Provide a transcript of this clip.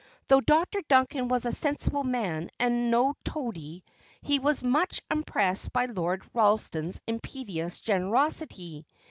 Though Dr. Duncan was a sensible man and no toady, he was much impressed by Lord Ralston's impetuous generosity.